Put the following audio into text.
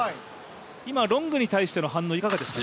ロングに対しての反応、いかがでしたか？